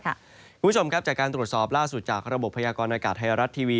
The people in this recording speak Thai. คุณผู้ชมครับจากการตรวจสอบล่าสุดจากระบบพยากรณากาศไทยรัฐทีวี